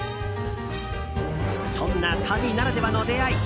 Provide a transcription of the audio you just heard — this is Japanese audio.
そんな旅ならではの出会い。